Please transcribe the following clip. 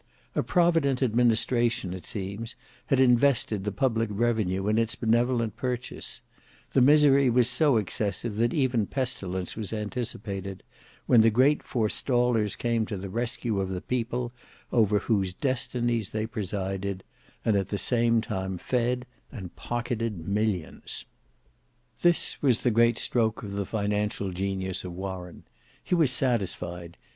A provident administration it seems had invested the public revenue in its benevolent purchase; the misery was so excessive that even pestilence was anticipated, when the great forestallers came to the rescue of the people over whose destinies they presided; and at the same time fed and pocketed millions. This was the great stroke of the financial genius of Warren. He was satisfied.